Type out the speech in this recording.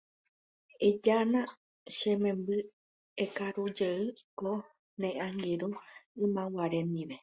Ejána che memby ekarujey ko ne angirũ ymaguare ndive.